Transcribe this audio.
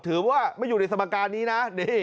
ถือว่าไม่อยู่ในสมการนี้นะ